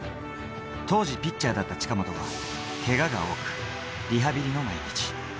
当時ピッチャーだった近本はけがが多く、リハビリの毎日。